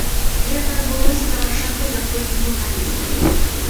Гэта адбылося на вачах у заходніх журналістаў.